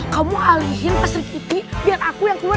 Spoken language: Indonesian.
kamu alihin pasri kiti biar aku yang keluar